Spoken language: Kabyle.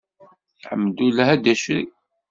Ḥemdullah a Dda Crif.